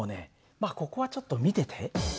まあここはちょっと見てて。